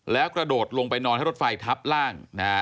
แล้วกระโดดลงไปนอนให้รถไฟทับร่าง